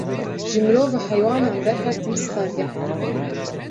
Ji mirov û heywanan re her tim stargeh e